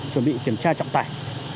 chuẩn bị kiểm tra trọng tải